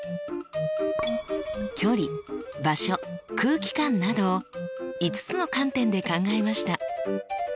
「距離」「場所」「空気感」など５つの観点で考えました。